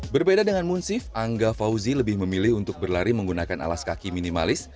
berbeda dengan munsif angga fauzi lebih memilih untuk berlari menggunakan alas kaki minimalis